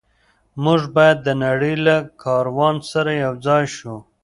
موږ باید د نړۍ له کاروان سره یوځای شو.